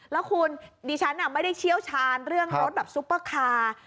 แล้วคุณดิฉันไม่ได้เชี่ยวชาญเรื่องรถแบบซุปเปอร์คาร์